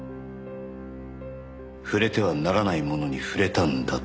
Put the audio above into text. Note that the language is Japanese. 「触れてはならないものに触れたんだ」と。